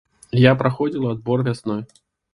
Я праходзіла адбор вясной.